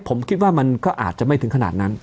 ผมคิดว่ามันก็อาจจะไม่ถึงขนาดนั้น